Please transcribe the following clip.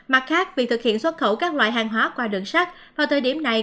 mặt khác việc thực hiện xuất khẩu các loại hàng hóa qua đường sắt vào thời điểm này